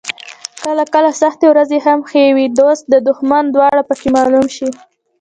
کله کله سختې ورځې هم ښې وي، دوست او دښمن دواړه پکې معلوم شي.